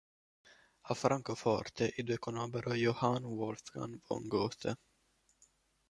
A Francoforte i due conobbero Johann Wolfgang von Goethe.